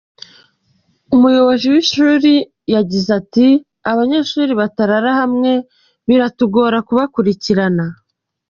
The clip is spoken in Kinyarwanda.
Umuyobozi w’ishuri ati :“Abanyeshuri batarara hamwe biratugora kubakurikirana”.